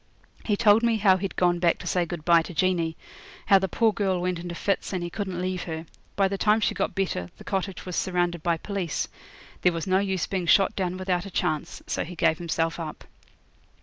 He told me how he'd gone back to say good bye to Jeanie how the poor girl went into fits, and he couldn't leave her. By the time she got better the cottage was surrounded by police; there was no use being shot down without a chance, so he gave himself up.